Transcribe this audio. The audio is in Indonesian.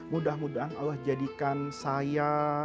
mudah mudahan allah jadikan saya